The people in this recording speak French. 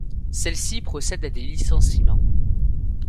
Celle-ci procède à des licenciements.